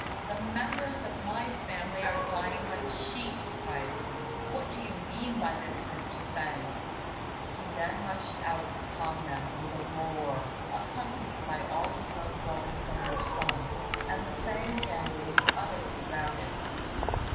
"The members of my family are dying like sheep," cried he; "what do you mean by this, Mr. Fêng?" He then rushed out upon them with a roar, accompanied by all his own brothers and their sons; and the Fêng family was utterly routed.